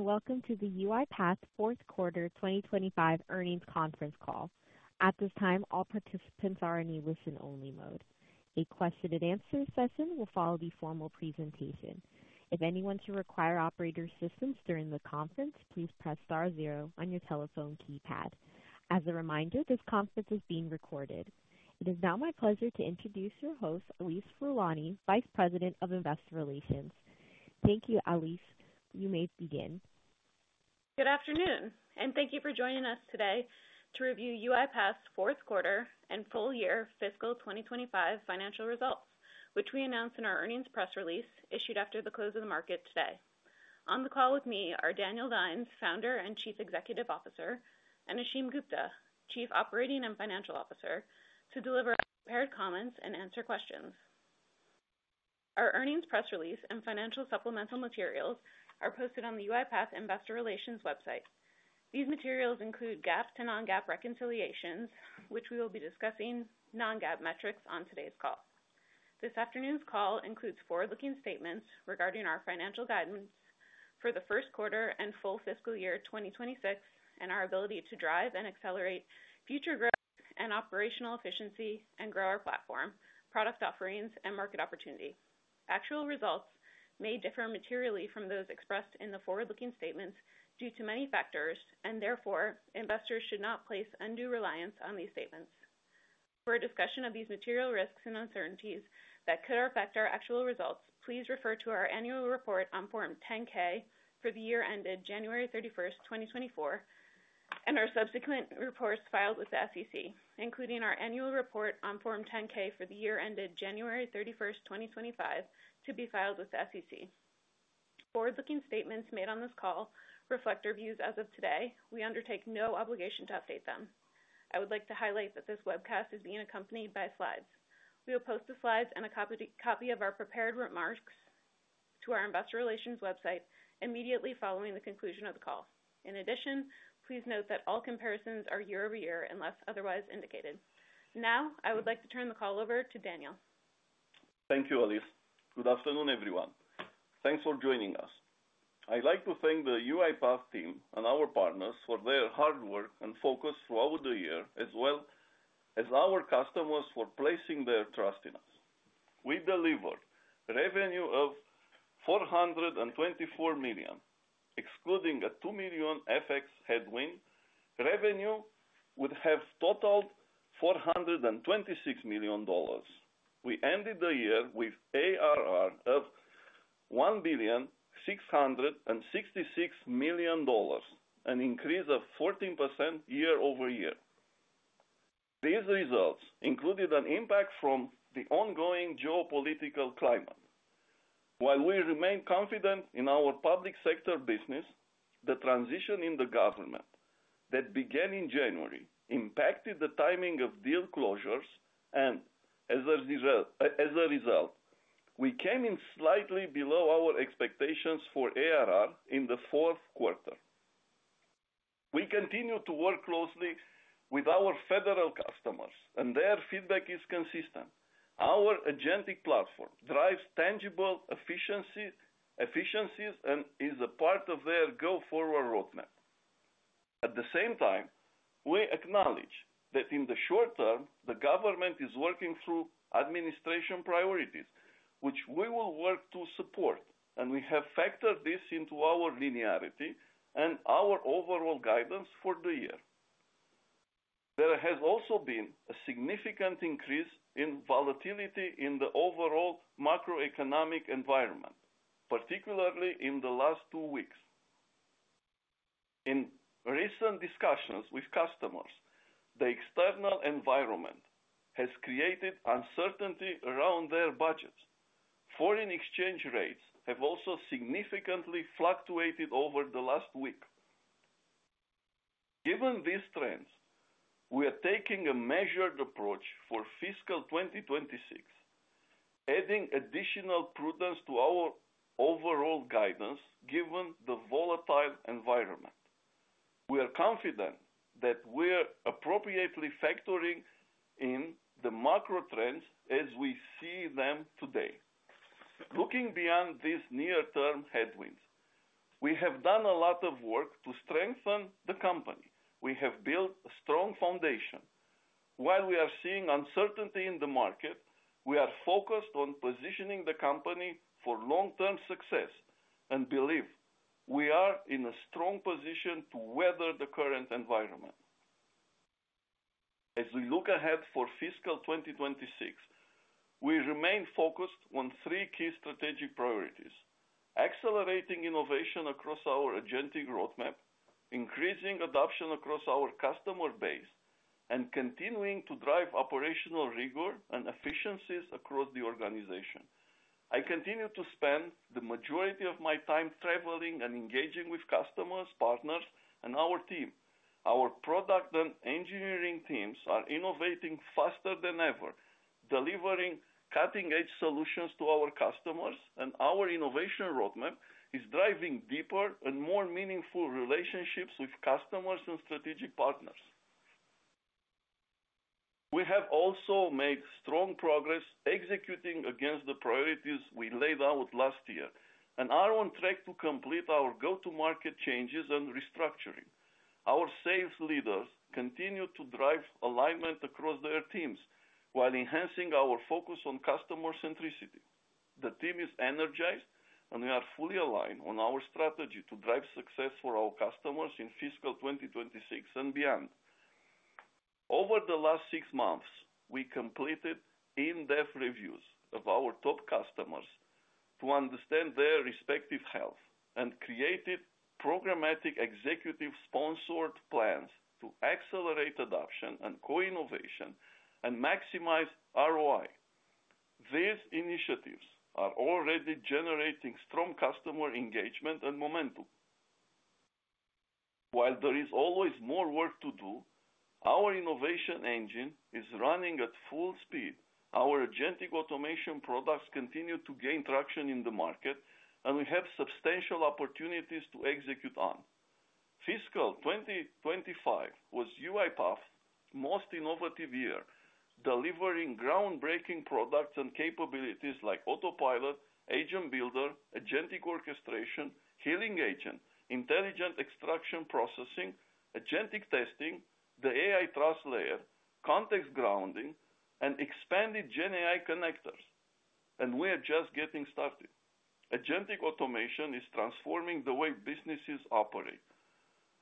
Welcome to the UiPath Fourth Quarter 2025 earnings conference call. At this time, all participants are in a listen-only mode. A question-and-answer session will follow the formal presentation. If anyone should require operator assistance during the conference, please press star zero on your telephone keypad. As a reminder, this conference is being recorded. It is now my pleasure to introduce your host, Alise Furlani, Vice President of Investor Relations. Thank you, Alise. You may begin. Good afternoon, and thank you for joining us today to review UiPath's fourth quarter and full year fiscal 2025 financial results, which we announced in our earnings press release issued after the close of the market today. On the call with me are Daniel Dines, Founder and Chief Executive Officer, and Ashim Gupta, Chief Operating and Financial Officer, to deliver prepared comments and answer questions. Our earnings press release and financial supplemental materials are posted on the UiPath Investor Relations website. These materials include GAAP to non-GAAP reconciliations, which we will be discussing non-GAAP metrics on today's call. This afternoon's call includes forward-looking statements regarding our financial guidance for the first quarter and full fiscal year 2026, and our ability to drive and accelerate future growth and operational efficiency, and grow our platform, product offerings, and market opportunity. Actual results may differ materially from those expressed in the forward-looking statements due to many factors, and therefore investors should not place undue reliance on these statements. For a discussion of these material risks and uncertainties that could affect our actual results, please refer to our annual report on Form 10-K for the year ended January 31, 2024, and our subsequent reports filed with the SEC, including our annual report on Form 10-K for the year ended January 31, 2025, to be filed with the SEC. Forward-looking statements made on this call reflect our views as of today. We undertake no obligation to update them. I would like to highlight that this webcast is being accompanied by slides. We will post the slides and a copy of our prepared remarks to our investor relations website immediately following the conclusion of the call. In addition, please note that all comparisons are year over year unless otherwise indicated. Now, I would like to turn the call over to Daniel. Thank you, Alise. Good afternoon, everyone. Thanks for joining us. I'd like to thank the UiPath team and our partners for their hard work and focus throughout the year, as well as our customers for placing their trust in us. We delivered revenue of $424 million, excluding a $2 million FX headwind. Revenue would have totaled $426 million. We ended the year with ARR of $1,666 million, an increase of 14% year over year. These results included an impact from the ongoing geopolitical climate. While we remain confident in our public sector business, the transition in the government that began in January impacted the timing of deal closures, and as a result, we came in slightly below our expectations for ARR in the fourth quarter. We continue to work closely with our federal customers, and their feedback is consistent. Our agentic platform drives tangible efficiencies and is a part of their go-forward roadmap. At the same time, we acknowledge that in the short term, the government is working through administration priorities, which we will work to support, and we have factored this into our linearity and our overall guidance for the year. There has also been a significant increase in volatility in the overall macroeconomic environment, particularly in the last two weeks. In recent discussions with customers, the external environment has created uncertainty around their budgets. Foreign exchange rates have also significantly fluctuated over the last week. Given these trends, we are taking a measured approach for fiscal 2026, adding additional prudence to our overall guidance given the volatile environment. We are confident that we are appropriately factoring in the macro trends as we see them today. Looking beyond these near-term headwinds, we have done a lot of work to strengthen the company. We have built a strong foundation. While we are seeing uncertainty in the market, we are focused on positioning the company for long-term success and believe we are in a strong position to weather the current environment. As we look ahead for fiscal 2026, we remain focused on three key strategic priorities: accelerating innovation across our agentic roadmap, increasing adoption across our customer base, and continuing to drive operational rigor and efficiencies across the organization. I continue to spend the majority of my time traveling and engaging with customers, partners, and our team. Our product and engineering teams are innovating faster than ever, delivering cutting-edge solutions to our customers, and our innovation roadmap is driving deeper and more meaningful relationships with customers and strategic partners. We have also made strong progress executing against the priorities we laid out last year and are on track to complete our go-to-market changes and restructuring. Our sales leaders continue to drive alignment across their teams while enhancing our focus on customer centricity. The team is energized, and we are fully aligned on our strategy to drive success for our customers in fiscal 2026 and beyond. Over the last six months, we completed in-depth reviews of our top customers to understand their respective health and created programmatic executive-sponsored plans to accelerate adoption and co-innovation and maximize ROI. These initiatives are already generating strong customer engagement and momentum. While there is always more work to do, our innovation engine is running at full speed. Our agentic automation products continue to gain traction in the market, and we have substantial opportunities to execute on. Fiscal 2025 was UiPath's most innovative year, delivering groundbreaking products and capabilities like Autopilot, Agent Builder, Agentic Orchestration, Healing Agent, Intelligent Extraction Processing, Agentic Testing, the AI Trust Layer, Context Grounding, and expanded GenAI Connectors. We are just getting started. Agentic automation is transforming the way businesses operate,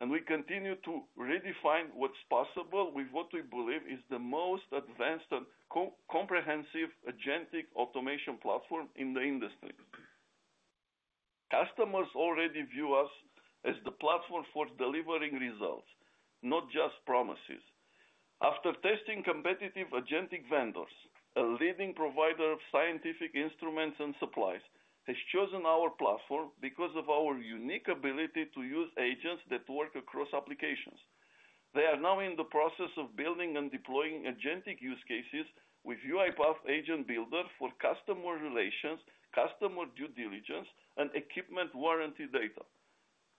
and we continue to redefine what's possible with what we believe is the most advanced and comprehensive agentic automation platform in the industry. Customers already view us as the platform for delivering results, not just promises. After testing competitive agentic vendors, a leading provider of scientific instruments and supplies has chosen our platform because of our unique ability to use agents that work across applications. They are now in the process of building and deploying agentic use cases with UiPath Agent Builder for customer relations, customer due diligence, and equipment warranty data.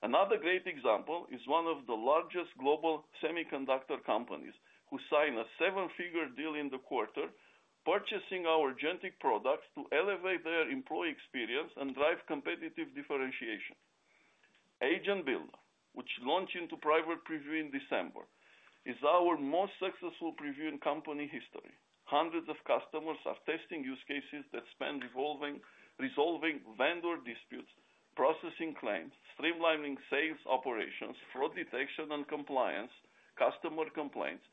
Another great example is one of the largest global semiconductor companies who signed a seven-figure deal in the quarter, purchasing our agentic products to elevate their employee experience and drive competitive differentiation. Agent Builder, which launched into private preview in December, is our most successful preview in company history. Hundreds of customers are testing use cases that span resolving vendor disputes, processing claims, streamlining sales operations, fraud detection and compliance, customer complaints,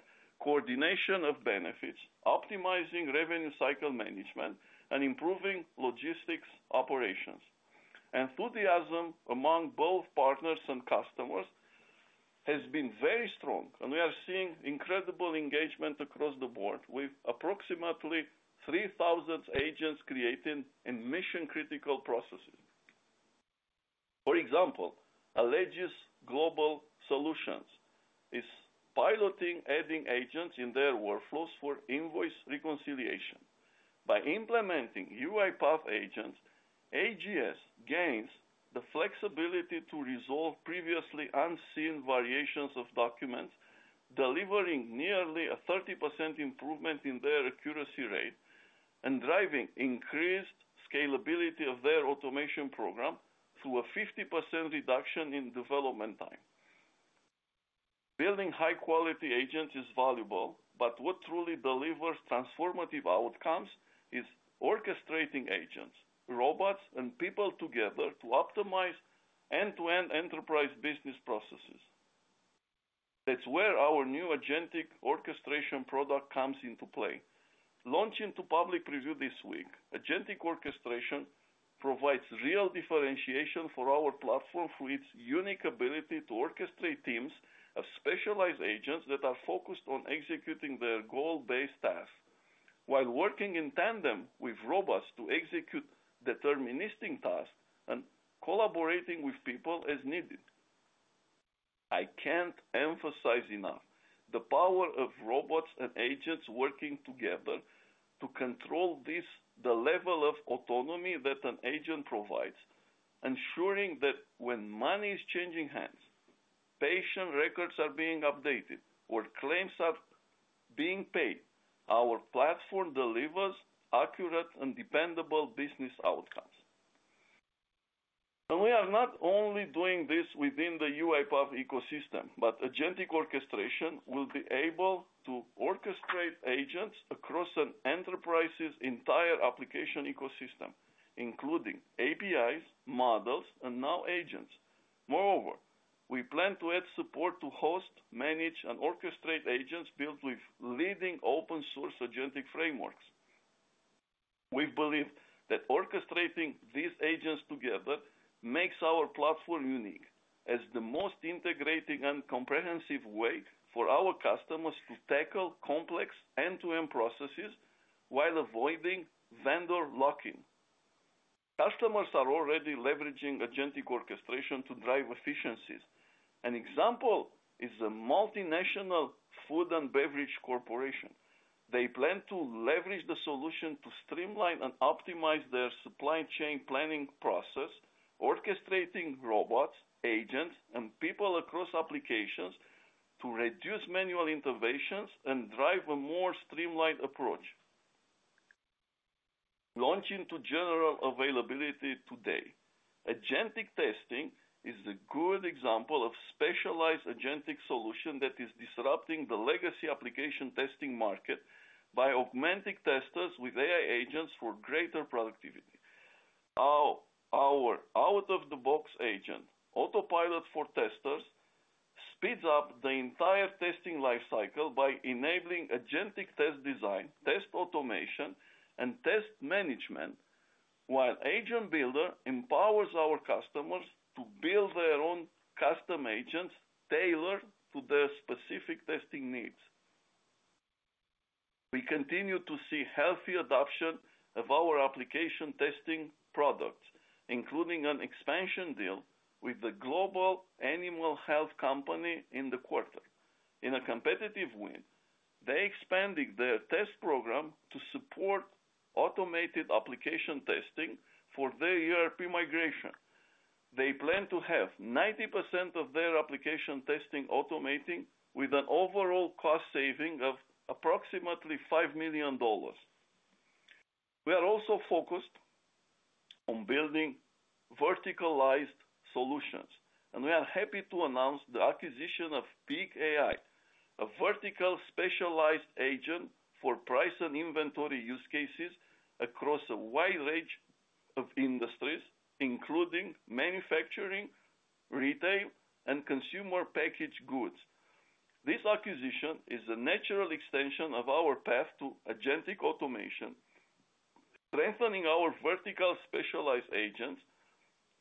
coordination of benefits, optimizing revenue cycle management, and improving logistics operations. Enthusiasm among both partners and customers has been very strong, and we are seeing incredible engagement across the board with approximately 3,000 agents creating in mission-critical processes. For example, Allegis Global Solutions is piloting adding agents in their workflows for invoice reconciliation. By implementing UiPath Agents, AGS gains the flexibility to resolve previously unseen variations of documents, delivering nearly a 30% improvement in their accuracy rate and driving increased scalability of their automation program through a 50% reduction in development time. Building high-quality agents is valuable, but what truly delivers transformative outcomes is orchestrating agents, robots, and people together to optimize end-to-end enterprise business processes. That is where our new agentic orchestration product comes into play. Launching to public preview this week, agentic orchestration provides real differentiation for our platform through its unique ability to orchestrate teams of specialized agents that are focused on executing their goal-based tasks while working in tandem with robots to execute deterministic tasks and collaborating with people as needed. I can't emphasize enough the power of robots and agents working together to control the level of autonomy that an agent provides, ensuring that when money is changing hands, patient records are being updated, or claims are being paid, our platform delivers accurate and dependable business outcomes. We are not only doing this within the UiPath ecosystem, but agentic orchestration will be able to orchestrate agents across an enterprise's entire application ecosystem, including APIs, models, and now agents. Moreover, we plan to add support to host, manage, and orchestrate agents built with leading open-source agentic frameworks. We believe that orchestrating these agents together makes our platform unique as the most integrating and comprehensive way for our customers to tackle complex end-to-end processes while avoiding vendor lock-in. Customers are already leveraging agentic orchestration to drive efficiencies. An example is a multinational food and beverage corporation. They plan to leverage the solution to streamline and optimize their supply chain planning process, orchestrating robots, agents, and people across applications to reduce manual interventions and drive a more streamlined approach. Launching to general availability today, agentic testing is a good example of a specialized agentic solution that is disrupting the legacy application testing market by augmenting testers with AI agents for greater productivity. Our out-of-the-box agent, Autopilot for Testers, speeds up the entire testing lifecycle by enabling agentic test design, test automation, and test management, while Agent Builder empowers our customers to build their own custom agents tailored to their specific testing needs. We continue to see healthy adoption of our application testing products, including an expansion deal with the global animal health company in the quarter. In a competitive win, they expanded their test program to support automated application testing for their ERP migration. They plan to have 90% of their application testing automated with an overall cost saving of approximately $5 million. We are also focused on building verticalized solutions, and we are happy to announce the acquisition of Peak AI, a vertical specialized agent for price and inventory use cases across a wide range of industries, including manufacturing, retail, and consumer packaged goods. This acquisition is a natural extension of our path to agentic automation, strengthening our vertical specialized agents,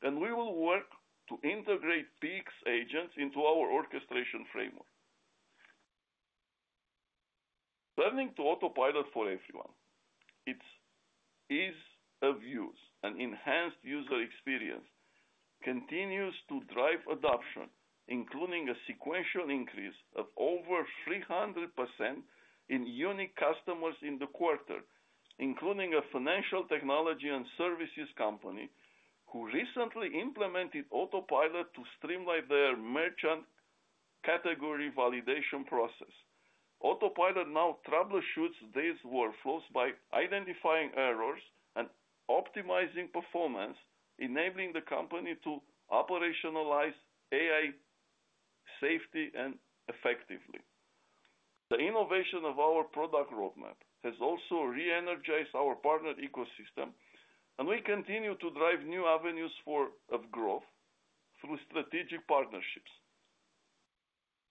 and we will work to integrate Peak's agents into our orchestration framework. Turning to Autopilot for Everyone, its ease of use and enhanced user experience continues to drive adoption, including a sequential increase of over 300% in unique customers in the quarter, including a financial technology and services company who recently implemented Autopilot to streamline their merchant category validation process. Autopilot now troubleshoots these workflows by identifying errors and optimizing performance, enabling the company to operationalize AI safely and effectively. The innovation of our product roadmap has also re-energized our partner ecosystem, and we continue to drive new avenues of growth through strategic partnerships.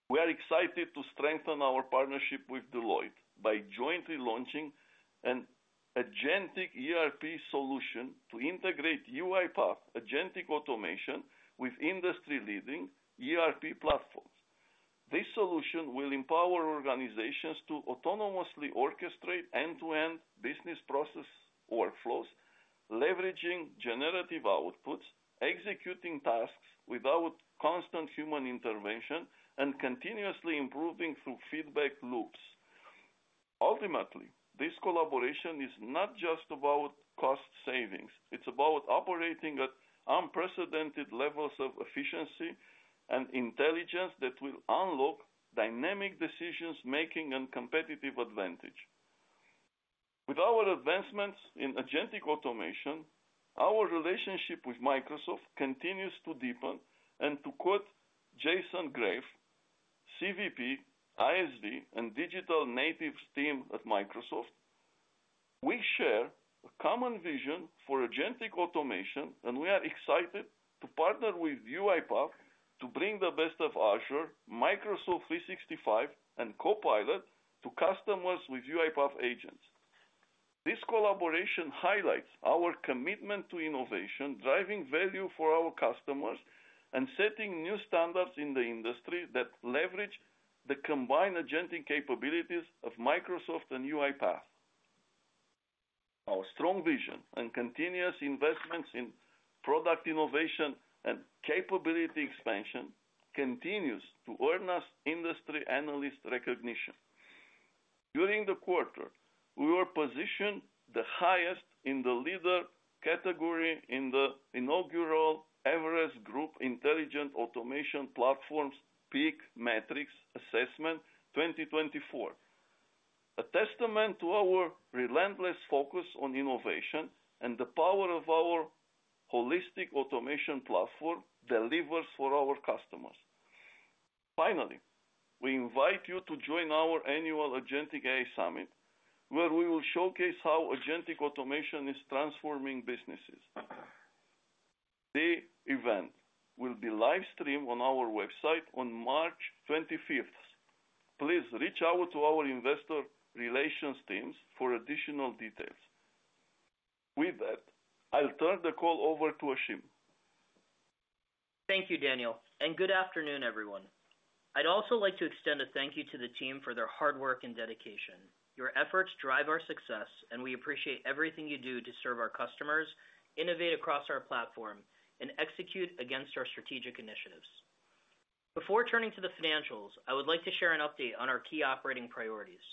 We are excited to strengthen our partnership with Deloitte by jointly launching an agentic ERP solution to integrate UiPath agentic automation with industry-leading ERP platforms. This solution will empower organizations to autonomously orchestrate end-to-end business process workflows, leveraging generative outputs, executing tasks without constant human intervention, and continuously improving through feedback loops. Ultimately, this collaboration is not just about cost savings; it's about operating at unprecedented levels of efficiency and intelligence that will unlock dynamic decision-making and competitive advantage. With our advancements in agentic automation, our relationship with Microsoft continues to deepen. To quote Jason Grave, CVP, ISV, and Digital Native team at Microsoft, we share a common vision for agentic automation, and we are excited to partner with UiPath to bring the best of Azure, Microsoft 365, and Copilot to customers with UiPath agents. This collaboration highlights our commitment to innovation, driving value for our customers and setting new standards in the industry that leverage the combined agentic capabilities of Microsoft and UiPath. Our strong vision and continuous investments in product innovation and capability expansion continue to earn us industry analyst recognition. During the quarter, we were positioned the highest in the leader category in the inaugural Everest Group Intelligent Automation Platforms PEAK Matrix Assessment 2024, a testament to our relentless focus on innovation and the power of our holistic automation platform delivered for our customers. Finally, we invite you to join our annual Agentic AI Summit, where we will showcase how agentic automation is transforming businesses. The event will be livestreamed on our website on March 25th. Please reach out to our investor relations teams for additional details. With that, I'll turn the call over to Ashim. Thank you, Daniel, and good afternoon, everyone. I'd also like to extend a thank you to the team for their hard work and dedication. Your efforts drive our success, and we appreciate everything you do to serve our customers, innovate across our platform, and execute against our strategic initiatives. Before turning to the financials, I would like to share an update on our key operating priorities.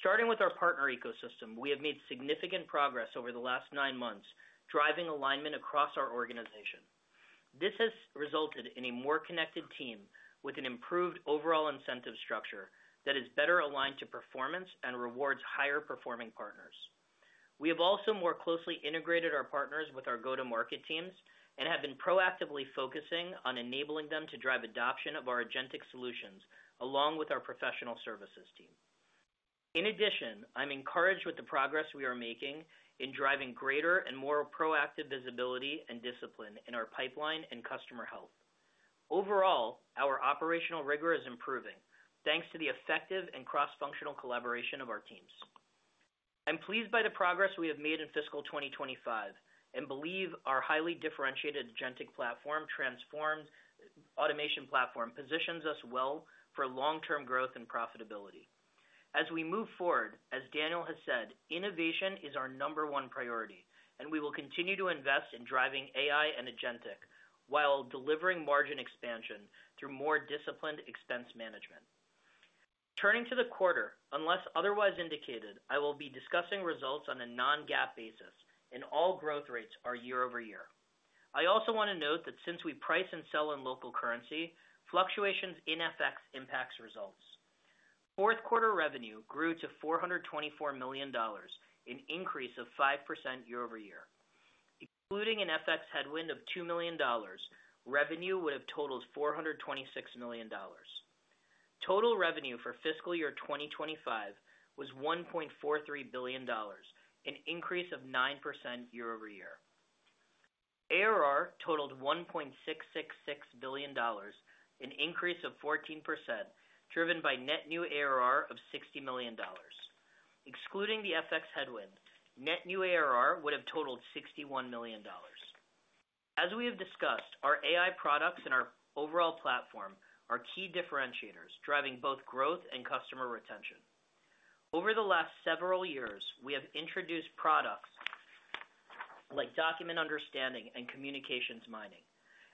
Starting with our partner ecosystem, we have made significant progress over the last nine months, driving alignment across our organization. This has resulted in a more connected team with an improved overall incentive structure that is better aligned to performance and rewards higher-performing partners. We have also more closely integrated our partners with our go-to-market teams and have been proactively focusing on enabling them to drive adoption of our agentic solutions along with our professional services team. In addition, I'm encouraged with the progress we are making in driving greater and more proactive visibility and discipline in our pipeline and customer health. Overall, our operational rigor is improving thanks to the effective and cross-functional collaboration of our teams. I'm pleased by the progress we have made in fiscal 2025 and believe our highly differentiated agentic platform automation platform positions us well for long-term growth and profitability. As we move forward, as Daniel has said, innovation is our number one priority, and we will continue to invest in driving AI and agentic while delivering margin expansion through more disciplined expense management. Turning to the quarter, unless otherwise indicated, I will be discussing results on a non-GAAP basis in all growth rates year over year. I also want to note that since we price and sell in local currency, fluctuations in FX impact results. Fourth quarter revenue grew to $424 million, an increase of 5% year over year. Including an FX headwind of $2 million, revenue would have totaled $426 million. Total revenue for fiscal year 2025 was $1.43 billion, an increase of 9% year over year. ARR totaled $1.666 billion, an increase of 14%, driven by net new ARR of $60 million. Excluding the FX headwind, net new ARR would have totaled $61 million. As we have discussed, our AI products and our overall platform are key differentiators driving both growth and customer retention. Over the last several years, we have introduced products like Document Understanding and Communications Mining.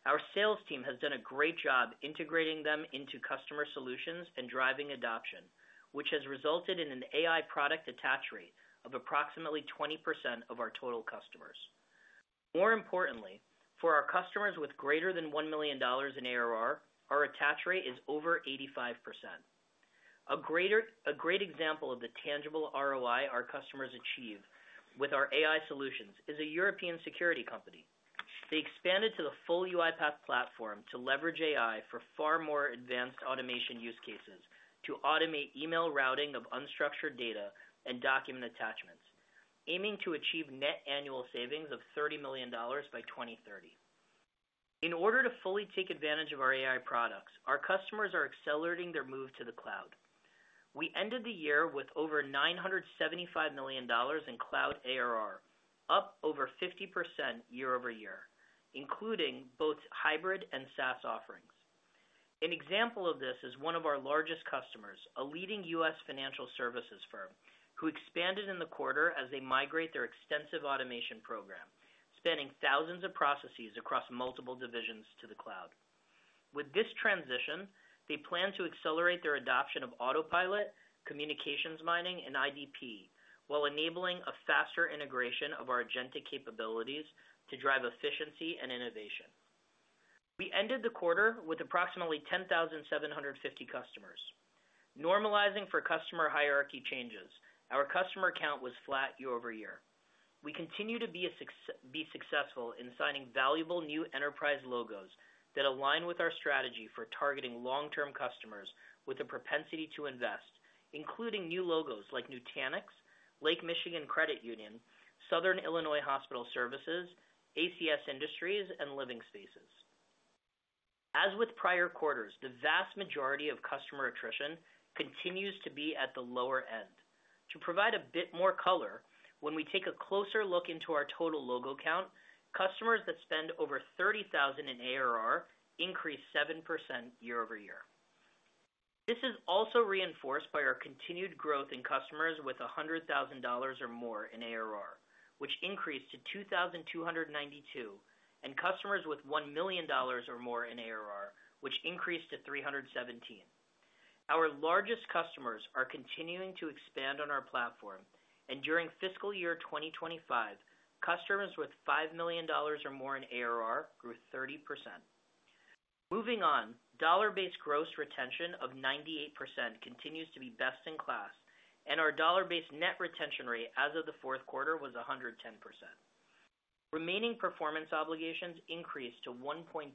Our sales team has done a great job integrating them into customer solutions and driving adoption, which has resulted in an AI product attach rate of approximately 20% of our total customers. More importantly, for our customers with greater than $1 million in ARR, our attach rate is over 85%. A great example of the tangible ROI our customers achieve with our AI solutions is a European security company. They expanded to the full UiPath platform to leverage AI for far more advanced automation use cases to automate email routing of unstructured data and document attachments, aiming to achieve net annual savings of $30 million by 2030. In order to fully take advantage of our AI products, our customers are accelerating their move to the cloud. We ended the year with over $975 million in cloud ARR, up over 50% year over year, including both hybrid and SaaS offerings. An example of this is one of our largest customers, a leading US financial services firm, who expanded in the quarter as they migrate their extensive automation program, spanning thousands of processes across multiple divisions to the cloud. With this transition, they plan to accelerate their adoption of Autopilot, Communications Mining, and IDP, while enabling a faster integration of our agentic capabilities to drive efficiency and innovation. We ended the quarter with approximately 10,750 customers. Normalizing for customer hierarchy changes, our customer count was flat year over year. We continue to be successful in signing valuable new enterprise logos that align with our strategy for targeting long-term customers with a propensity to invest, including new logos like Nutanix, Lake Michigan Credit Union, Southern Illinois Hospital Services, ACS Industries, and Living Spaces. As with prior quarters, the vast majority of customer attrition continues to be at the lower end. To provide a bit more color, when we take a closer look into our total logo count, customers that spend over $30,000 in ARR increased 7% year over year. This is also reinforced by our continued growth in customers with $100,000 or more in ARR, which increased to 2,292, and customers with $1 million or more in ARR, which increased to 317. Our largest customers are continuing to expand on our platform, and during fiscal year 2025, customers with $5 million or more in ARR grew 30%. Moving on, dollar-based gross retention of 98% continues to be best in class, and our dollar-based net retention rate as of the fourth quarter was 110%. Remaining performance obligations increased to $1.243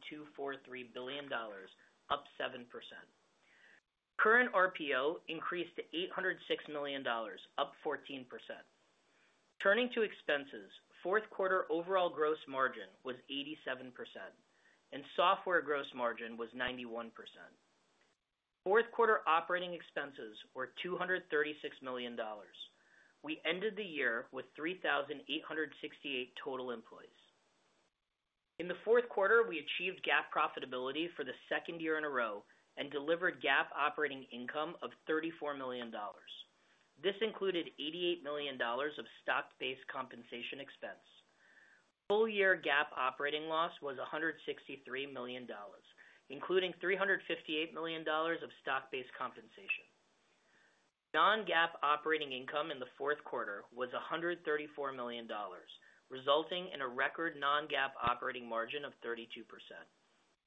billion, up 7%. Current RPO increased to $806 million, up 14%. Turning to expenses, fourth quarter overall gross margin was 87%, and software gross margin was 91%. Fourth quarter operating expenses were $236 million. We ended the year with 3,868 total employees. In the fourth quarter, we achieved GAAP profitability for the second year in a row and delivered GAAP operating income of $34 million. This included $88 million of stock-based compensation expense. Full year GAAP operating loss was $163 million, including $358 million of stock-based compensation. Non-GAAP operating income in the fourth quarter was $134 million, resulting in a record non-GAAP operating margin of 32%,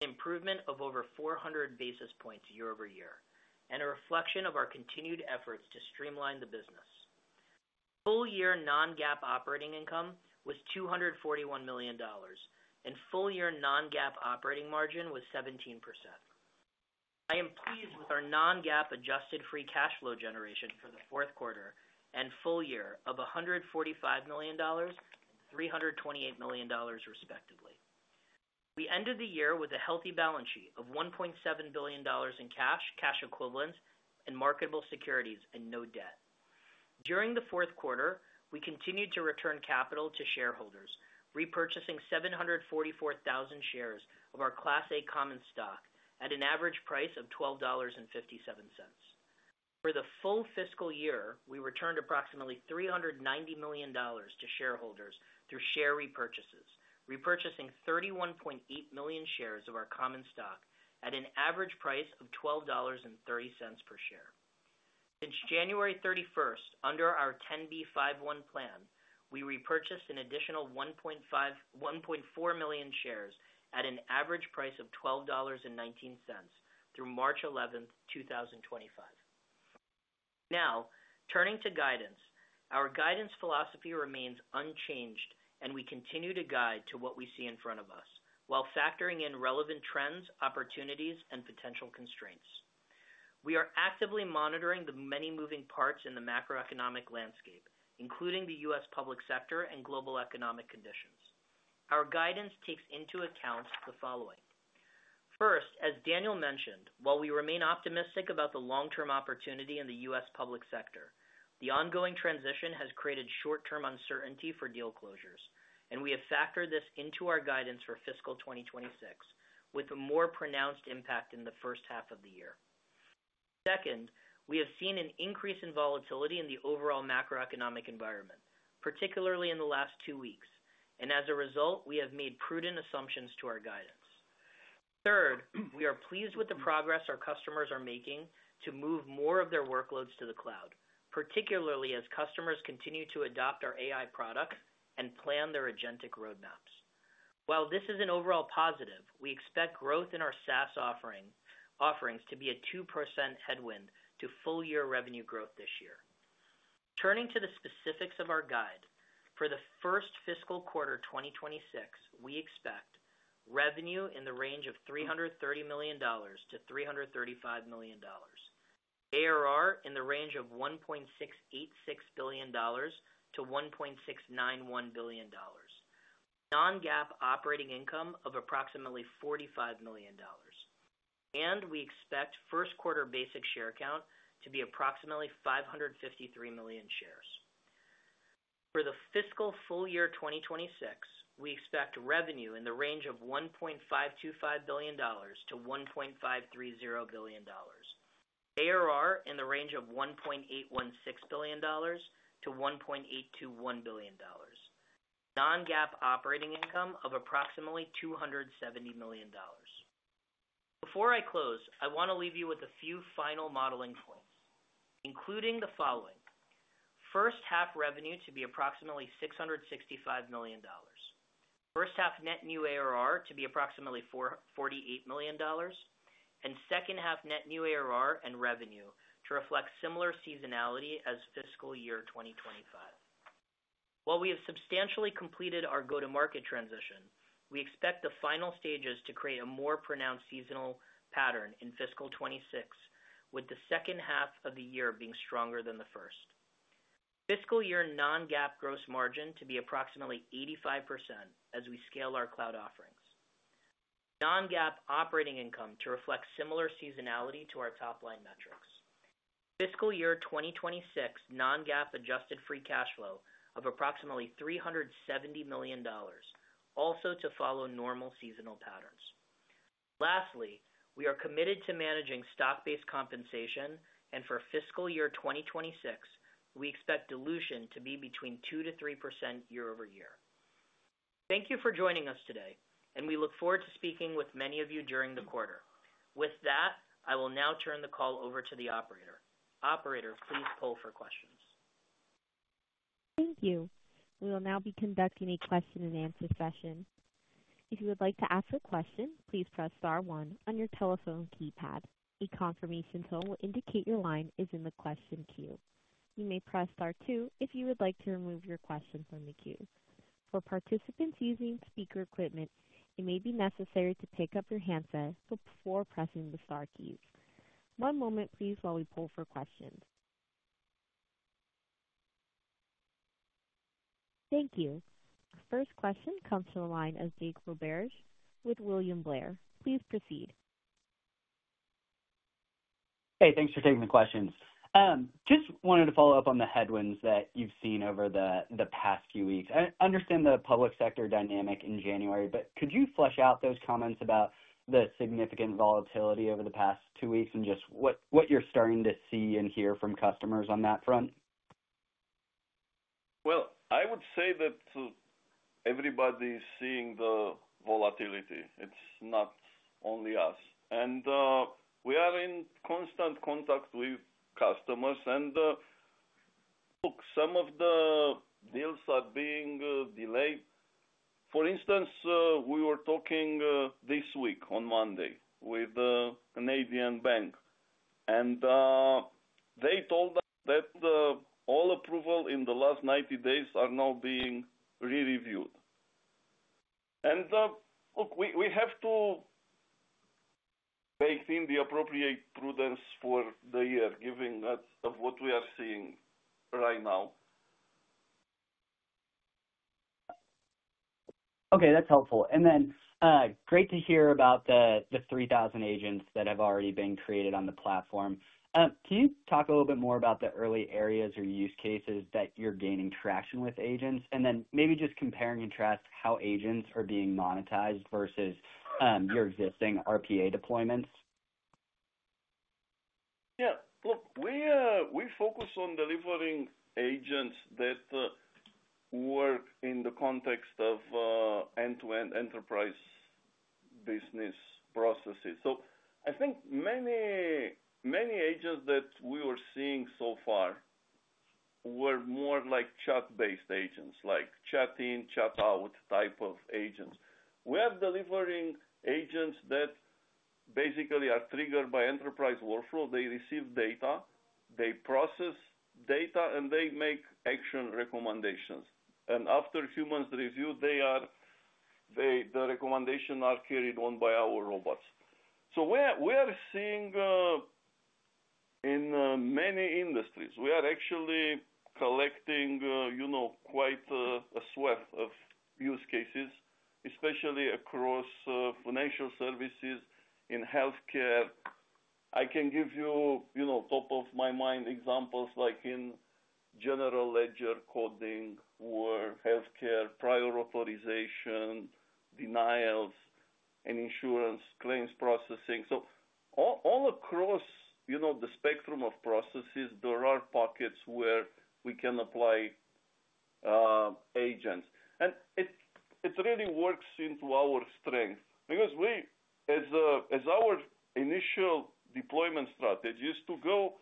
an improvement of over 400 basis points year over year, and a reflection of our continued efforts to streamline the business. Full year non-GAAP operating income was $241 million, and full year non-GAAP operating margin was 17%. I am pleased with our non-GAAP adjusted free cash flow generation for the fourth quarter and full year of $145 million and $328 million, respectively. We ended the year with a healthy balance sheet of $1.7 billion in cash, cash equivalents, and marketable securities, and no debt. During the fourth quarter, we continued to return capital to shareholders, repurchasing 744,000 shares of our Class A Common Stock at an average price of $12.57. For the full fiscal year, we returned approximately $390 million to shareholders through share repurchases, repurchasing 31.8 million shares of our Common Stock at an average price of $12.30 per share. Since January 31, under our 10B51 plan, we repurchased an additional 1.4 million shares at an average price of $12.19 through March 11, 2025. Now, turning to guidance, our guidance philosophy remains unchanged, and we continue to guide to what we see in front of us while factoring in relevant trends, opportunities, and potential constraints. We are actively monitoring the many moving parts in the macroeconomic landscape, including the US public sector and global economic conditions. Our guidance takes into account the following. First, as Daniel mentioned, while we remain optimistic about the long-term opportunity in the U.S. public sector, the ongoing transition has created short-term uncertainty for deal closures, and we have factored this into our guidance for fiscal 2026, with a more pronounced impact in the first half of the year. Second, we have seen an increase in volatility in the overall macroeconomic environment, particularly in the last two weeks, and as a result, we have made prudent assumptions to our guidance. Third, we are pleased with the progress our customers are making to move more of their workloads to the cloud, particularly as customers continue to adopt our AI products and plan their agentic roadmaps. While this is an overall positive, we expect growth in our SaaS offerings to be a 2% headwind to full year revenue growth this year. Turning to the specifics of our guide, for the first fiscal quarter 2026, we expect revenue in the range of $330 million-$335 million, ARR in the range of $1.686 billion-$1.691 billion, non-GAAP operating income of approximately $45 million, and we expect first quarter basic share count to be approximately 553 million shares. For the fiscal full year 2026, we expect revenue in the range of $1.525 billion-$1.530 billion, ARR in the range of $1.816 billion-$1.821 billion, non-GAAP operating income of approximately $270 million. Before I close, I want to leave you with a few final modeling points, including the following: first half revenue to be approximately $665 million, first half net new ARR to be approximately $48 million, and second half net new ARR and revenue to reflect similar seasonality as fiscal year 2025. While we have substantially completed our go-to-market transition, we expect the final stages to create a more pronounced seasonal pattern in fiscal 2026, with the second half of the year being stronger than the first. Fiscal year non-GAAP gross margin to be approximately 85% as we scale our cloud offerings. Non-GAAP operating income to reflect similar seasonality to our top line metrics. Fiscal year 2026 non-GAAP adjusted free cash flow of approximately $370 million, also to follow normal seasonal patterns. Lastly, we are committed to managing stock-based compensation, and for fiscal year 2026, we expect dilution to be between 2%-3% year over year. Thank you for joining us today, and we look forward to speaking with many of you during the quarter. With that, I will now turn the call over to the operator. Operator, please poll for questions. Thank you. We will now be conducting a question and answer session. If you would like to ask a question, please press star one on your telephone keypad. A confirmation tone will indicate your line is in the question queue. You may press star two if you would like to remove your question from the queue. For participants using speaker equipment, it may be necessary to pick up your handset before pressing the star keys. One moment, please, while we poll for questions. Thank you. Our first question comes from the line of Jake Roberge with William Blair. Please proceed. Hey, thanks for taking the questions. Just wanted to follow up on the headwinds that you've seen over the past few weeks. I understand the public sector dynamic in January, but could you flesh out those comments about the significant volatility over the past two weeks and just what you're starting to see and hear from customers on that front? I would say that everybody is seeing the volatility. It's not only us. We are in constant contact with customers, and look, some of the deals are being delayed. For instance, we were talking this week on Monday with a Canadian bank, and they told us that all approval in the last 90 days are now being re-reviewed. We have to make the appropriate prudence for the year, given what we are seeing right now. Okay, that's helpful. Great to hear about the 3,000 agents that have already been created on the platform. Can you talk a little bit more about the early areas or use cases that you're gaining traction with agents, and then maybe just comparing and track how agents are being monetized versus your existing RPA deployments? Yeah. Look, we focus on delivering agents that work in the context of end-to-end enterprise business processes. I think many agents that we were seeing so far were more like chat-based agents, like chat in, chat out type of agents. We are delivering agents that basically are triggered by enterprise workflow. They receive data, they process data, and they make action recommendations. After humans review, the recommendations are carried on by our robots. We are seeing in many industries. We are actually collecting quite a swath of use cases, especially across financial services, in healthcare. I can give you top-of-mind examples like in general ledger coding or healthcare prior authorization, denials, and insurance claims processing. All across the spectrum of processes, there are pockets where we can apply agents. It really works into our strength because as our initial deployment strategy is to go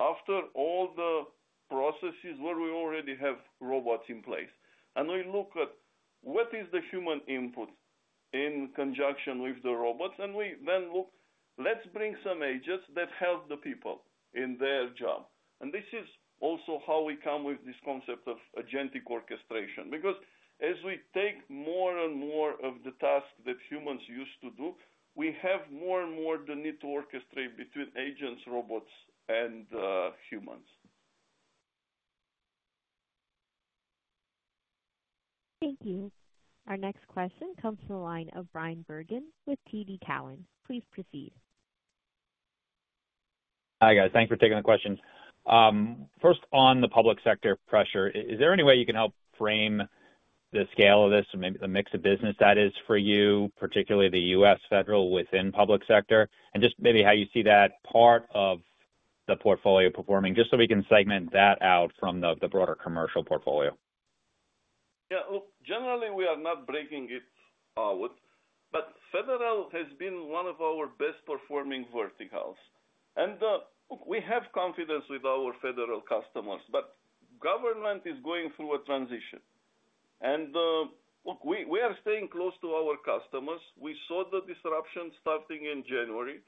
after all the processes where we already have robots in place. We look at what is the human input in conjunction with the robots, and we then look, let's bring some agents that help the people in their job. This is also how we come with this concept of agentic orchestration because as we take more and more of the tasks that humans used to do, we have more and more the need to orchestrate between agents, robots, and humans. Thank you. Our next question comes from the line of Brian Bergin with TD Cowan. Please proceed. Hi guys. Thanks for taking the question. First, on the public sector pressure, is there any way you can help frame the scale of this and maybe the mix of business that is for you, particularly the U.S. federal within public sector, and just maybe how you see that part of the portfolio performing, just so we can segment that out from the broader commercial portfolio? Yeah. Look, generally, we are not breaking it out, but federal has been one of our best performing verticals. Look, we have confidence with our federal customers, but government is going through a transition. Look, we are staying close to our customers. We saw the disruption starting in January.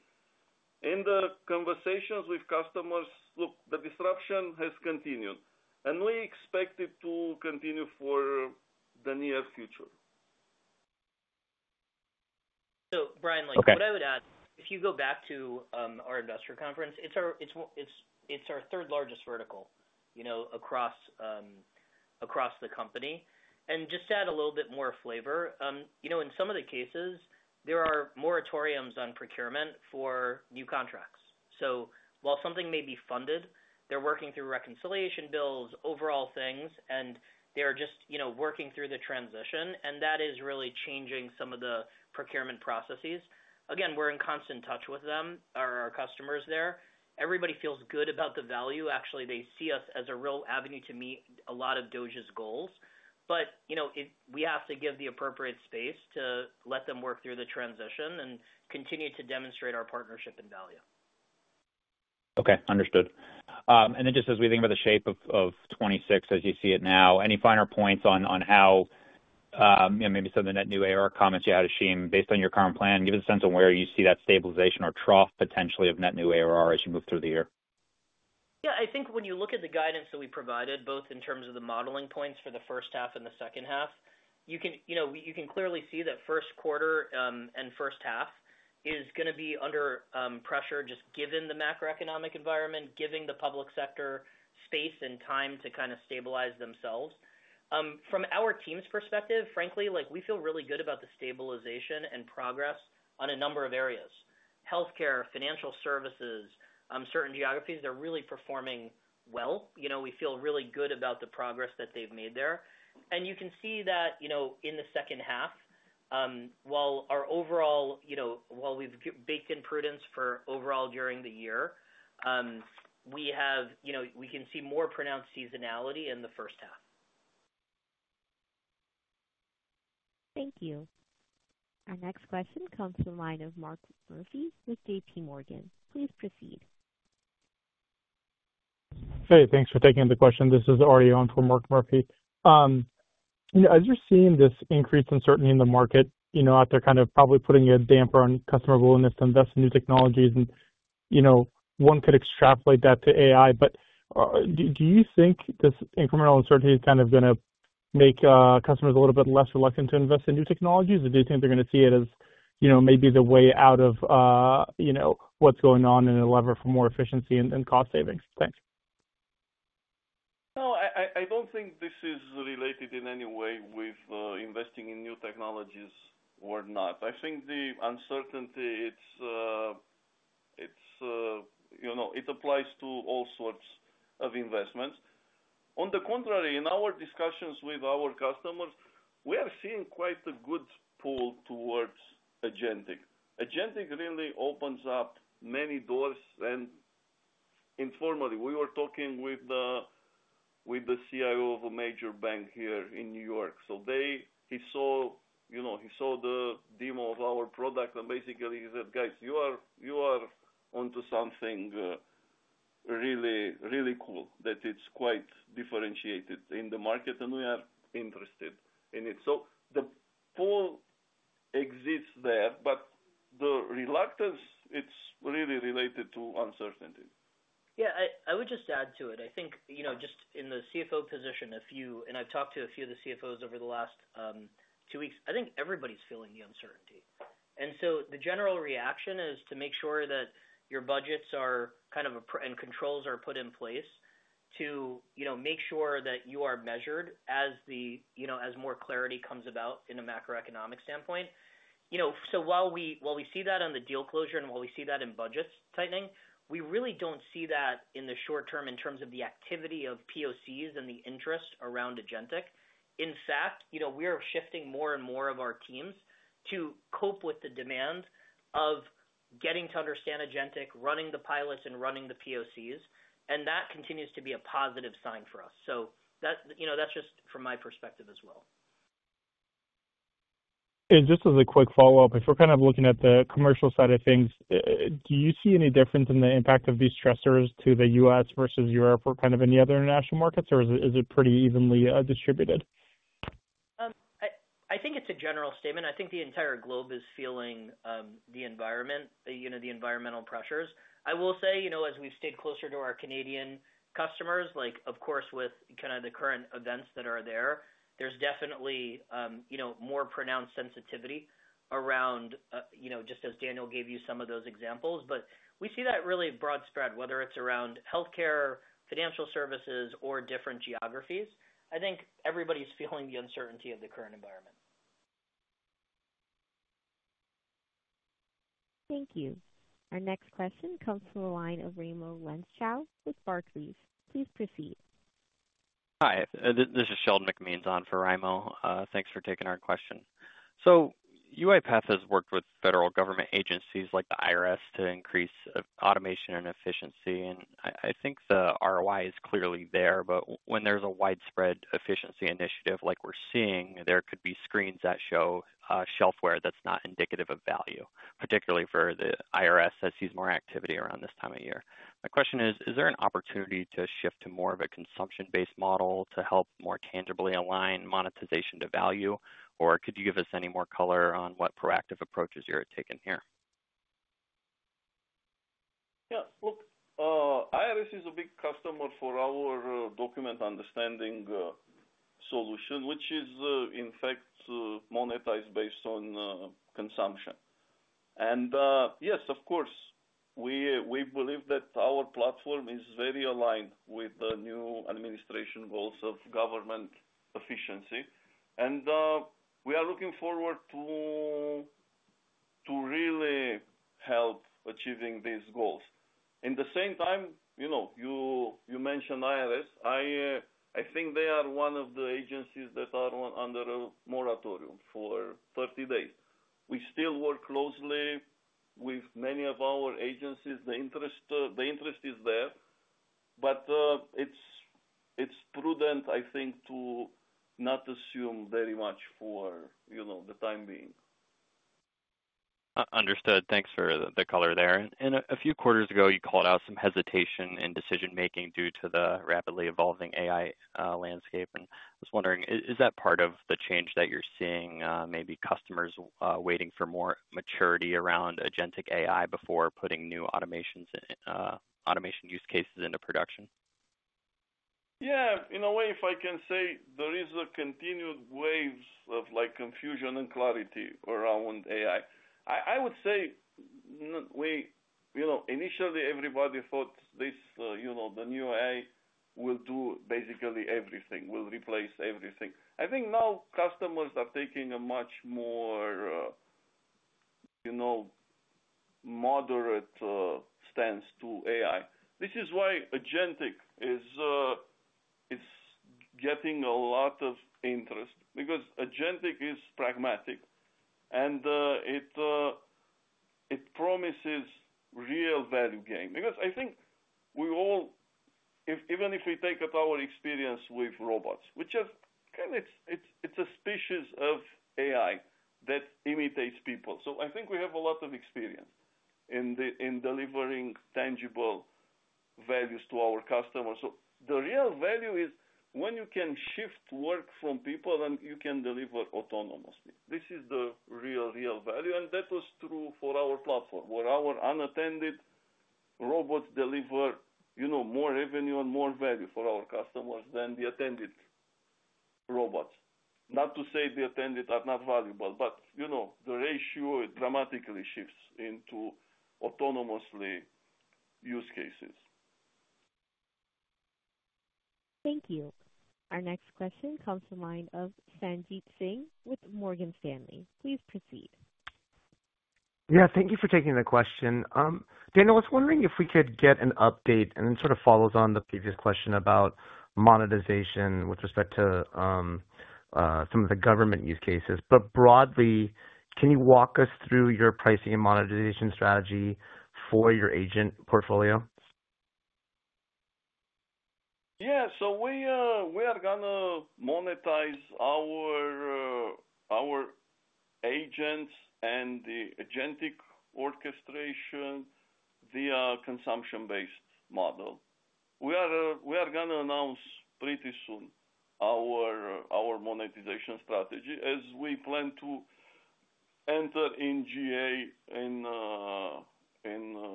In the conversations with customers, the disruption has continued, and we expect it to continue for the near future. Brian, what I would add, if you go back to our industrial conference, it's our third largest vertical across the company. Just to add a little bit more flavor, in some of the cases, there are moratoriums on procurement for new contracts. While something may be funded, they're working through reconciliation bills, overall things, and they're just working through the transition, and that is really changing some of the procurement processes. Again, we're in constant touch with them, our customers there. Everybody feels good about the value. Actually, they see us as a real avenue to meet a lot of DOGE's goals, but we have to give the appropriate space to let them work through the transition and continue to demonstrate our partnership and value. Okay. Understood. Just as we think about the shape of 2026 as you see it now, any finer points on how maybe some of the net new ARR comments you had, Ashim, based on your current plan, give us a sense of where you see that stabilization or trough potentially of net new ARR as you move through the year? Yeah. I think when you look at the guidance that we provided, both in terms of the modeling points for the first half and the second half, you can clearly see that first quarter and first half is going to be under pressure just given the macroeconomic environment, giving the public sector space and time to kind of stabilize themselves. From our team's perspective, frankly, we feel really good about the stabilization and progress on a number of areas: healthcare, financial services, certain geographies. They're really performing well. We feel really good about the progress that they've made there. You can see that in the second half, while our overall, while we've baked in prudence for overall during the year, we can see more pronounced seasonality in the first half. Thank you. Our next question comes from the line of Mark Murphy with JP Morgan. Please proceed. Hey, thanks for taking the question. This is Arion from Mark Murphy. As you're seeing this increased uncertainty in the market, they're kind of probably putting a damper on customer willingness to invest in new technologies, and one could extrapolate that to AI. Do you think this incremental uncertainty is kind of going to make customers a little bit less reluctant to invest in new technologies, or do you think they're going to see it as maybe the way out of what's going on and a lever for more efficiency and cost savings? Thanks. No, I don't think this is related in any way with investing in new technologies or not. I think the uncertainty, it applies to all sorts of investments. On the contrary, in our discussions with our customers, we are seeing quite a good pull towards agentic. Agentic really opens up many doors, and informally, we were talking with the CIO of a major bank here in New York. He saw the demo of our product, and basically, he said, "Guys, you are onto something really cool that it's quite differentiated in the market, and we are interested in it." The pull exists there, but the reluctance, it's really related to uncertainty. Yeah. I would just add to it. I think just in the CFO position, and I've talked to a few of the CFOs over the last two weeks, I think everybody's feeling the uncertainty. The general reaction is to make sure that your budgets are kind of and controls are put in place to make sure that you are measured as more clarity comes about in a macroeconomic standpoint. While we see that on the deal closure and while we see that in budgets tightening, we really do not see that in the short term in terms of the activity of POCs and the interest around agentic. In fact, we are shifting more and more of our teams to cope with the demand of getting to understand agentic, running the pilots, and running the POCs, and that continues to be a positive sign for us. That is just from my perspective as well. Just as a quick follow-up, if we are kind of looking at the commercial side of things, do you see any difference in the impact of these stressors to the U.S. versus Europe or kind of any other international markets, or is it pretty evenly distributed? I think it is a general statement. I think the entire globe is feeling the environment, the environmental pressures. I will say, as we've stayed closer to our Canadian customers, of course, with kind of the current events that are there, there's definitely more pronounced sensitivity around just as Daniel gave you some of those examples, but we see that really broad spread, whether it's around healthcare, financial services, or different geographies. I think everybody's feeling the uncertainty of the current environment. Thank you. Our next question comes from the line of Raimo Lenschow with Barclays. Please proceed. Hi. This is Graham Sheldon on for Raimo. Thanks for taking our question. UiPath has worked with federal government agencies like the IRS to increase automation and efficiency, and I think the ROI is clearly there. When there is a widespread efficiency initiative like we are seeing, there could be screens that show shelfware that is not indicative of value, particularly for the IRS that sees more activity around this time of year. My question is, is there an opportunity to shift to more of a consumption-based model to help more tangibly align monetization to value, or could you give us any more color on what proactive approaches you are taking here? Yeah. Look, IRS is a big customer for our Document Understanding solution, which is, in fact, monetized based on consumption. Yes, of course, we believe that our platform is very aligned with the new administration goals of government efficiency, and we are looking forward to really help achieving these goals. In the same time, you mentioned IRS. I think they are one of the agencies that are under a moratorium for 30 days. We still work closely with many of our agencies. The interest is there, but it's prudent, I think, to not assume very much for the time being. Understood. Thanks for the color there. A few quarters ago, you called out some hesitation in decision-making due to the rapidly evolving AI landscape, and I was wondering, is that part of the change that you're seeing, maybe customers waiting for more maturity around agentic AI before putting new automation use cases into production? Yeah. In a way, if I can say, there is a continued wave of confusion and clarity around AI. I would say initially, everybody thought the new AI will do basically everything, will replace everything. I think now customers are taking a much more moderate stance to AI. This is why agentic is getting a lot of interest because agentic is pragmatic, and it promises real value gain because I think we all, even if we take our experience with robots, which is kind of, it's a species of AI that imitates people. I think we have a lot of experience in delivering tangible values to our customers. The real value is when you can shift work from people, then you can deliver autonomously. This is the real, real value, and that was true for our platform, where our unattended robots deliver more revenue and more value for our customers than the attended robots. Not to say the attended are not valuable, but the ratio dramatically shifts into autonomously use cases. Thank you. Our next question comes from the line of Sanjit Singh with Morgan Stanley. Please proceed. Yeah. Thank you for taking the question. Daniel, I was wondering if we could get an update, and it sort of follows on the previous question about monetization with respect to some of the government use cases. Broadly, can you walk us through your pricing and monetization strategy for your agent portfolio? Yeah. We have kind of monetized our agents and the Agentic Orchestration via a consumption-based model. We are going to announce pretty soon our monetization strategy as we plan to enter in GA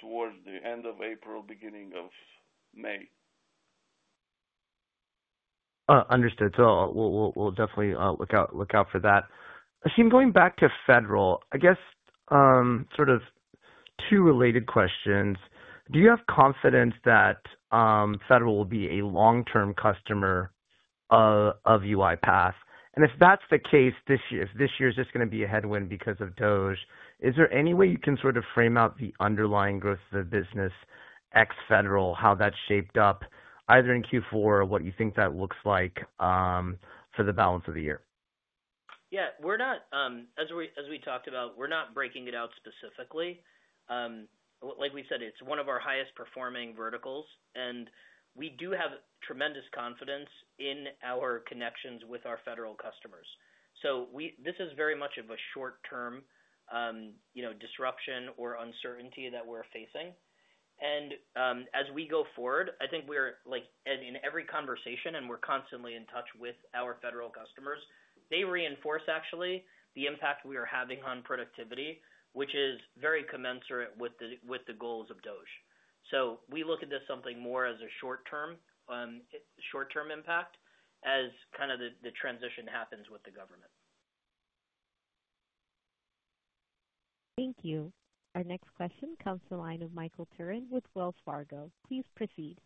towards the end of April, beginning of May. Understood. We'll definitely look out for that. Ashim, going back to federal, I guess sort of two related questions. Do you have confidence that federal will be a long-term customer of UiPath? If that's the case, if this year is just going to be a headwind because of DOGE, is there any way you can sort of frame out the underlying growth of the business ex-federal, how that's shaped up either in Q4 or what you think that looks like for the balance of the year? Yeah. As we talked about, we're not breaking it out specifically. Like we said, it's one of our highest-performing verticals, and we do have tremendous confidence in our connections with our federal customers. This is very much of a short-term disruption or uncertainty that we're facing. As we go forward, I think we're in every conversation, and we're constantly in touch with our federal customers. They reinforce, actually, the impact we are having on productivity, which is very commensurate with the goals of DOGE. We look at this something more as a short-term impact as kind of the transition happens with the government. Thank you. Our next question comes from the line of Michael Turrin with Wells Fargo. Please proceed.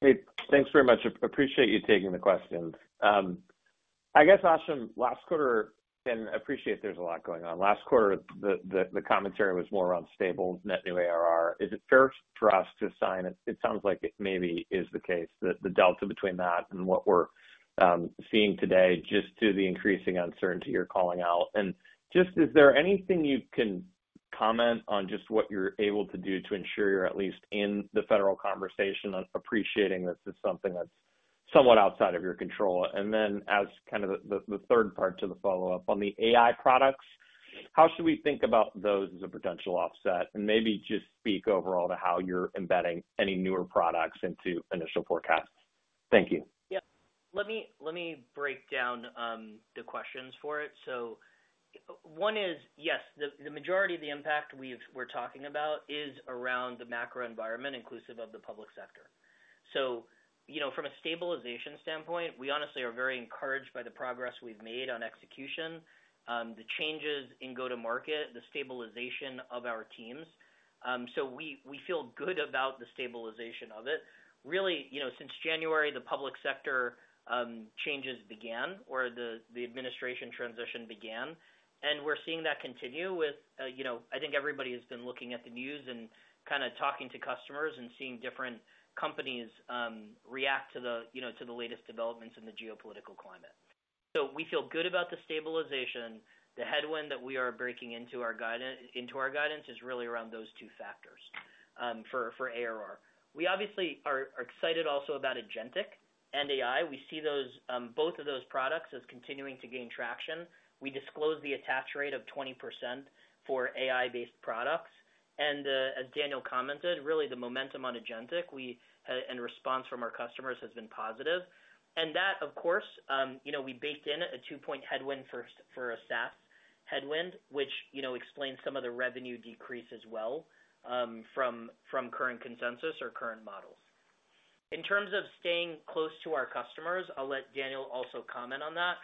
Hey, thanks very much. Appreciate you taking the question. I guess, Ashim, last quarter, and I appreciate there's a lot going on. Last quarter, the commentary was more on stable net new ARR. Is it fair for us to assign it? It sounds like it maybe is the case, the delta between that and what we're seeing today just to the increasing uncertainty you're calling out. Is there anything you can comment on just what you're able to do to ensure you're at least in the federal conversation and appreciating that this is something that's somewhat outside of your control? Then as kind of the third part to the follow-up on the AI products, how should we think about those as a potential offset and maybe just speak overall to how you're embedding any newer products into initial forecasts? Thank you. Yep. Let me break down the questions for it. One is, yes, the majority of the impact we're talking about is around the macro environment, inclusive of the public sector. From a stabilization standpoint, we honestly are very encouraged by the progress we've made on execution, the changes in go-to-market, the stabilization of our teams. We feel good about the stabilization of it. Really, since January, the public sector changes began or the administration transition began, and we're seeing that continue with I think everybody has been looking at the news and kind of talking to customers and seeing different companies react to the latest developments in the geopolitical climate. We feel good about the stabilization. The headwind that we are breaking into our guidance is really around those two factors for ARR. We obviously are excited also about agentic and AI. We see both of those products as continuing to gain traction. We disclosed the attach rate of 20% for AI-based products. As Daniel commented, really, the momentum on agentic and response from our customers has been positive. That, of course, we baked in a two-point headwind for a SaaS headwind, which explains some of the revenue decrease as well from current consensus or current models. In terms of staying close to our customers, I'll let Daniel also comment on that.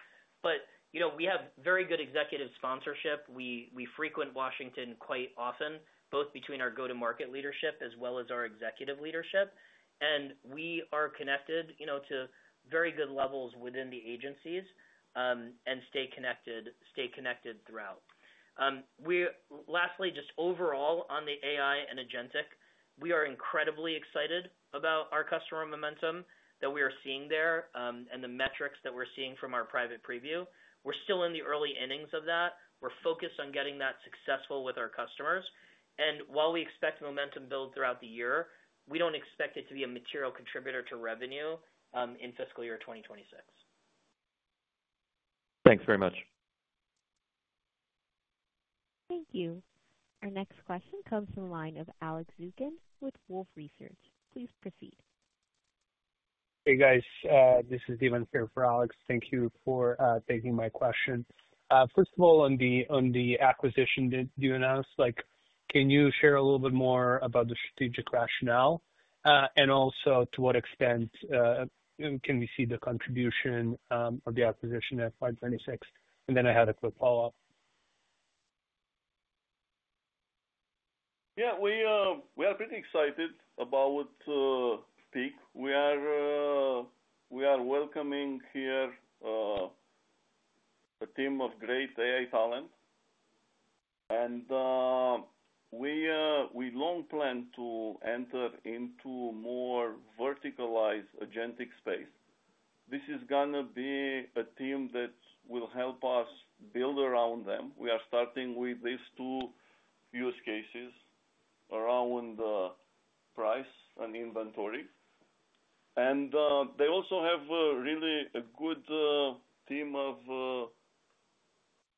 We have very good executive sponsorship. We frequent Washington quite often, both between our go-to-market leadership as well as our executive leadership. We are connected to very good levels within the agencies and stay connected throughout. Lastly, just overall, on the AI and agentic, we are incredibly excited about our customer momentum that we are seeing there and the metrics that we're seeing from our private preview. We're still in the early innings of that. We're focused on getting that successful with our customers. While we expect momentum build throughout the year, we don't expect it to be a material contributor to revenue in fiscal year 2026. Thanks very much. Thank you. Our next question comes from the line of Alex Zukin with Wolfe Research.Please proceed. Hey, guys. This is Deivan here for Alex. Thank you for taking my question. First of all, on the acquisition that you announced, can you share a little bit more about the strategic rationale and also to what extent can we see the contribution of the acquisition at 526? I had a quick follow-up. Yeah. We are pretty excited about Peak AI. We are welcoming here a team of great AI talent. We long planned to enter into more verticalized agentic space. This is going to be a team that will help us build around them. We are starting with these two use cases around price and inventory. They also have really a good team of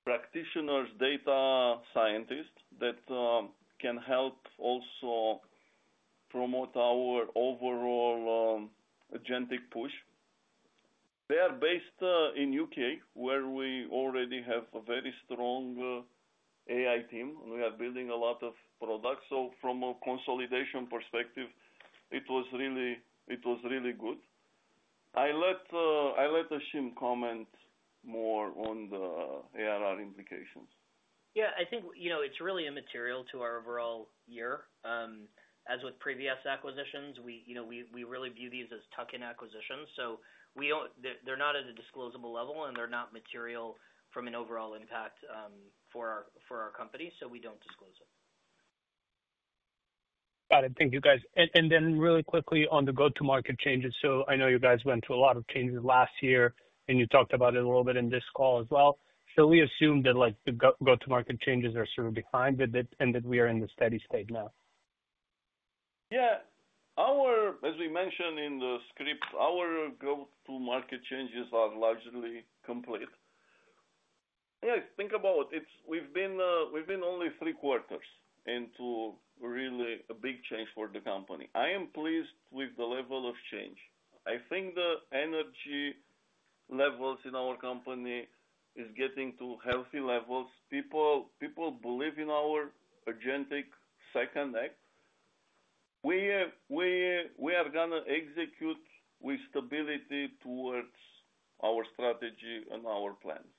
practitioners, data scientists that can help also promote our overall agentic push. They are based in the U.K., where we already have a very strong AI team, and we are building a lot of products. From a consolidation perspective, it was really good. I let Ashim comment more on the ARR implications. Yeah. I think it's really immaterial to our overall year. As with previous acquisitions, we really view these as tuck-in acquisitions. They're not at a disclosable level, and they're not material from an overall impact for our company, so we don't disclose it. Got it. Thank you, guys. Really quickly on the go-to-market changes. I know you guys went through a lot of changes last year, and you talked about it a little bit in this call as well. We assume that the go-to-market changes are sort of behind it and that we are in the steady state now. Yeah. As we mentioned in the script, our go-to-market changes are largely complete. Yeah. Think about it. We've been only three quarters into really a big change for the company. I am pleased with the level of change. I think the energy levels in our company are getting to healthy levels. People believe in our agentic second leg. We are going to execute with stability towards our strategy and our plans.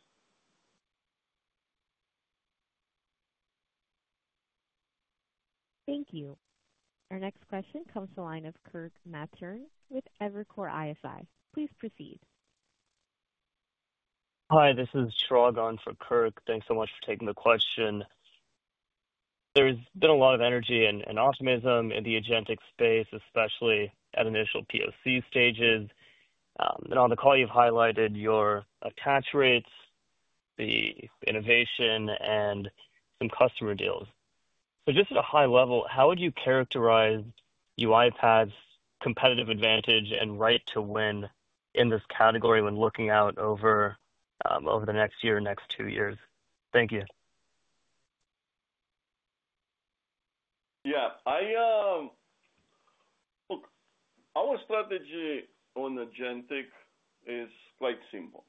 Thank you. Our next question comes from the line of Kirk Materne with Evercore ISI. Please proceed. Hi. This is Shrugon for Kirk. Thanks so much for taking the question. There's been a lot of energy and optimism in the agentic space, especially at initial POC stages. On the call, you've highlighted your attach rates, the innovation, and some customer deals. Just at a high level, how would you characterize UiPath's competitive advantage and right to win in this category when looking out over the next year, next two years? Thank you. Yeah. Our strategy on agentic is quite simple.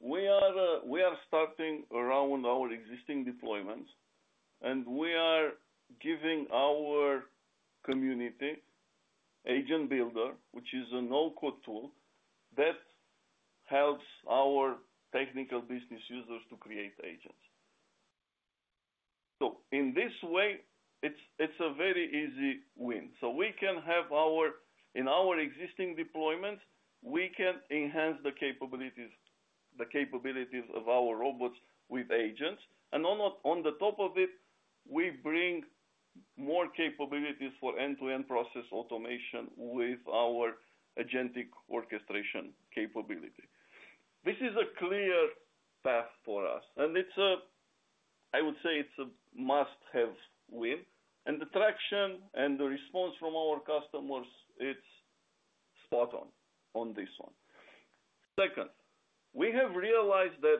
We are starting around our existing deployments, and we are giving our community Agent Builder, which is a no-code tool that helps our technical business users to create agents. In this way, it's a very easy win. We can have in our existing deployments, we can enhance the capabilities of our robots with agents. On the top of it, we bring more capabilities for end-to-end process automation with our agentic orchestration capability. This is a clear path for us. I would say it's a must-have win. The traction and the response from our customers, it's spot-on on this one. Second, we have realized that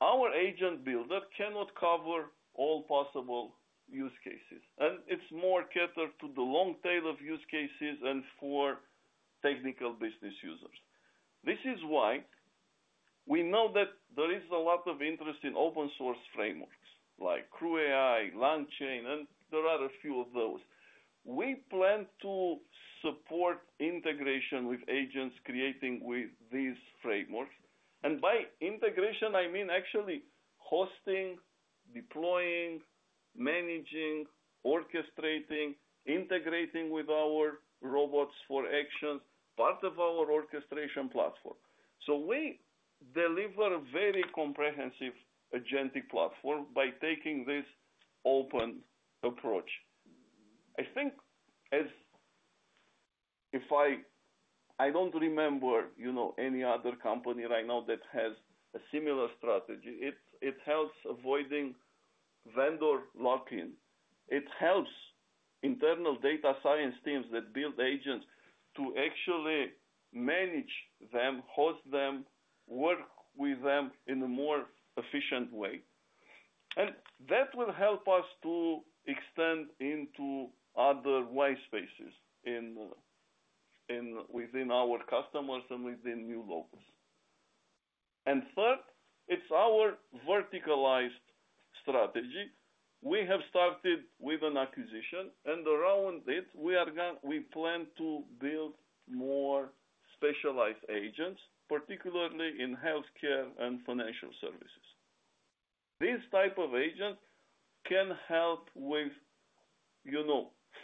our Agent Builder cannot cover all possible use cases. It is more catered to the long tail of use cases and for technical business users. This is why we know that there is a lot of interest in open-source frameworks like CrewAI, LangChain, and there are a few of those. We plan to support integration with agents created with these frameworks. By integration, I mean actually hosting, deploying, managing, orchestrating, integrating with our robots for actions, part of our orchestration platform. We deliver a very comprehensive agentic platform by taking this open approach. I think I do not remember any other company right now that has a similar strategy. It helps avoiding vendor lock-in. It helps internal data science teams that build agents to actually manage them, host them, work with them in a more efficient way. That will help us to extend into other white spaces within our customers and within new logos. Third, it's our verticalized strategy. We have started with an acquisition, and around it, we plan to build more specialized agents, particularly in healthcare and financial services. This type of agent can help with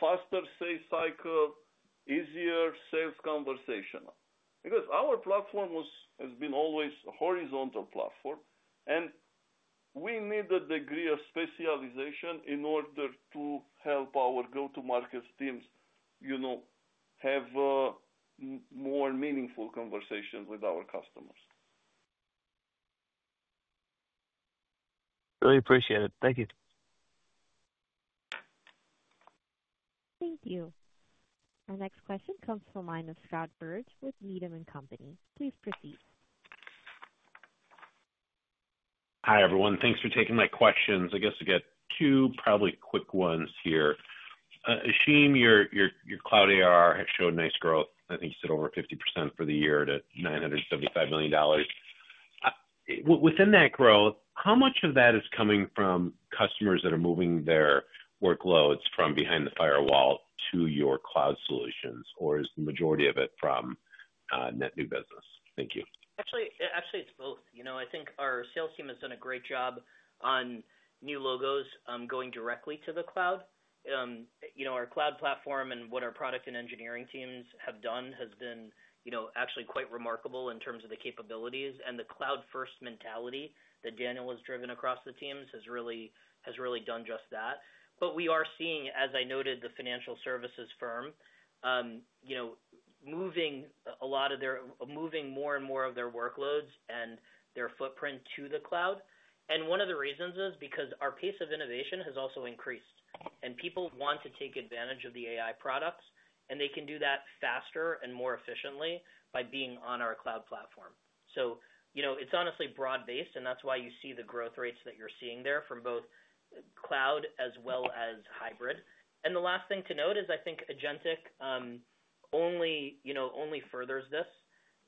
faster sales cycle, easier sales conversation. Because our platform has been always a horizontal platform, and we need a degree of specialization in order to help our go-to-market teams have more meaningful conversations with our customers. Really appreciate it. Thank you. Thank you. Our next question comes from the line of Scott Berg with Needham & Company. Please proceed. Hi, everyone. Thanks for taking my questions. I guess I've got two probably quick ones here. Ashim, your cloud ARR has showed nice growth. I think you said over 50% for the year to $975 million. Within that growth, how much of that is coming from customers that are moving their workloads from behind the firewall to your cloud solutions, or is the majority of it from net new business? Thank you. Actually, it's both. I think our sales team has done a great job on new logos going directly to the cloud. Our cloud platform and what our product and engineering teams have done has been actually quite remarkable in terms of the capabilities. The cloud-first mentality that Daniel has driven across the teams has really done just that. We are seeing, as I noted, the financial services firm moving more and more of their workloads and their footprint to the cloud. One of the reasons is because our pace of innovation has also increased. People want to take advantage of the AI products, and they can do that faster and more efficiently by being on our cloud platform. It is honestly broad-based, and that is why you see the growth rates that you are seeing there from both cloud as well as hybrid. The last thing to note is I think agentic only furthers this,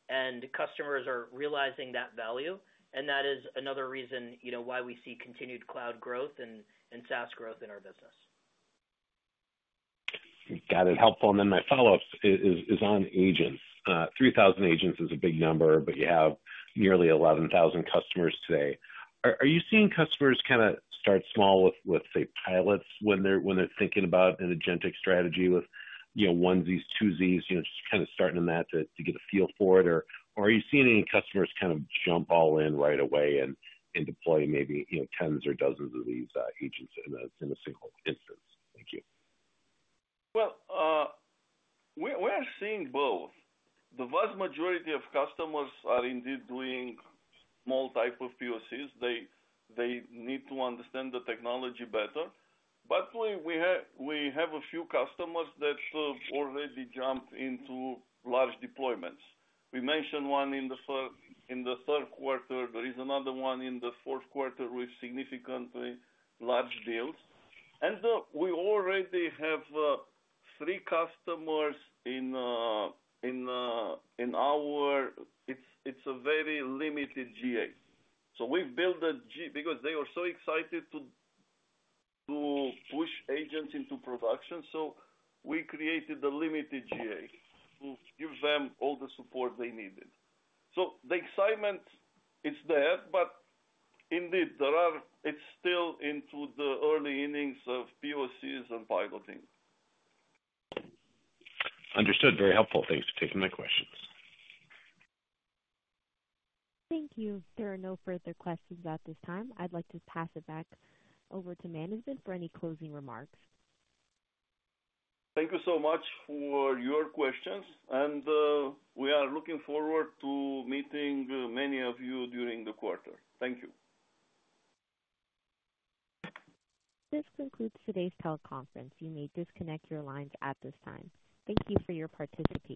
and customers are realizing that value. That is another reason why we see continued cloud growth and SaaS growth in our business. Got it. Helpful. My follow-up is on agents. 3,000 agents is a big number, but you have nearly 11,000 customers today. Are you seeing customers kind of start small with, say, pilots when they are thinking about an agentic strategy with 1Zs, 2Zs, just kind of starting in that to get a feel for it? Are you seeing any customers kind of jump all in right away and deploy maybe tens or dozens of these agents in a single instance? Thank you. We are seeing both. The vast majority of customers are indeed doing small type of POCs. They need to understand the technology better. We have a few customers that already jumped into large deployments. We mentioned one in the third quarter. There is another one in the fourth quarter with significantly large deals. We already have three customers in our very limited GA. They were so excited to push agents into production, so we created a limited GA to give them all the support they needed. The excitement is there, but indeed, it is still in the early innings of POCs and piloting. Understood. Very helpful. Thanks for taking my questions. Thank you. There are no further questions at this time. I'd like to pass it back over to management for any closing remarks. Thank you so much for your questions. We are looking forward to meeting many of you during the quarter. Thank you. This concludes today's teleconference. You may disconnect your lines at this time. Thank you for your participation.